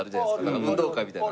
なんか運動会みたいな。